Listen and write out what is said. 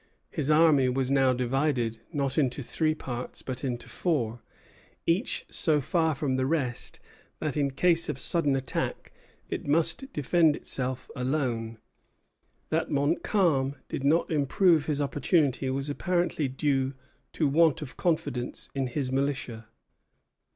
His army was now divided, not into three parts, but into four, each so far from the rest that, in case of sudden attack, it must defend itself alone. That Montcalm did not improve his opportunity was apparently due to want of confidence in his militia.